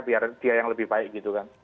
biar dia yang lebih baik gitu kan